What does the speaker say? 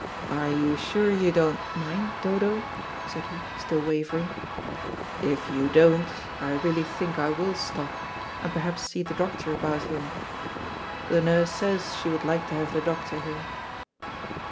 "Are you sure you don't mind, Dodo?" said he, still wavering. "If you don't, I really think I will stop, and perhaps see the doctor about him. The nurse says she would like to have the doctor here."